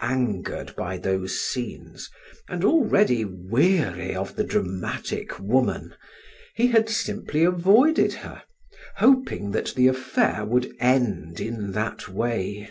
Angered by those scenes and already weary of the dramatic woman, he had simply avoided her, hoping that the affair would end in that way.